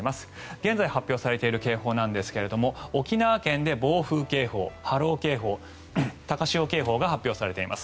現在、発表されている警報ですが沖縄県で暴風警報、波浪警報高潮警報が発表されています。